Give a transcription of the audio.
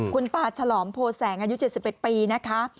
คุณตาฉลอมโพแสงอายุ๗๑ปีนะคะ